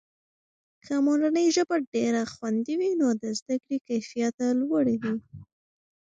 که مورنۍ ژبه ډېره خوندي وي، نو د زده کړې کیفیته لوړه وي.